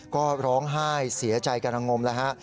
ก็ร้องไห้เสียใจกำลังงมแล้วฮะ